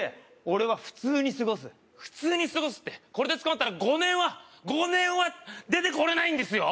俺は普通に過ごす普通に過ごすってこれで捕まったら５年は５年は出てこれないんですよ